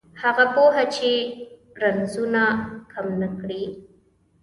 هغه پوهه چې رنځونه کم نه کړي